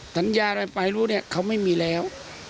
สัญญาอะไรไปรู้เนี่ยเขาไม่มีแล้ว